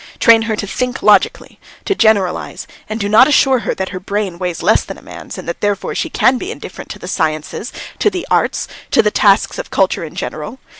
Train her to think logically, to generalise, and do not assure her that her brain weighs less than a man's and that therefore she can be indifferent to the sciences, to the arts, to the tasks of culture in general.